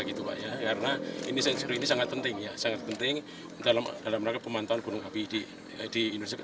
karena ini sangat penting dalam pemantauan gunung habi di indonesia